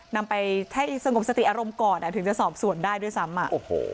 นำไปให้สมบรรท้ายสติอารมณ์ก่อนถึงจะสอบสวนได้ด้วยซ้ำ